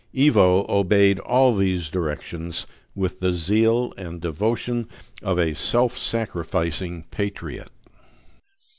Ivo obeyed all these directions with the zeal and devotion of a self sacrificing patriot.